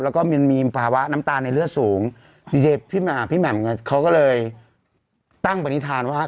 แล้วก็มีภาวะน้ำตาลในเลือดสูงดีเจพี่แหม่มเขาก็เลยตั้งปณิธานว่า